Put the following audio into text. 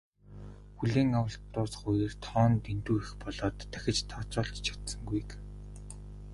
"Хүлээн авалт дуусах үеэр тоо нь дэндүү их болоод дахиж тооцоолж ч чадсангүй" гэв.